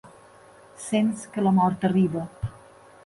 Sents que la mort arriba